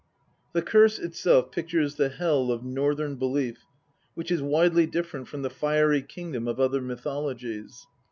The curse itself pictures the hell of Northern belief, which is widely different from the fiery kingdom of other mythologies.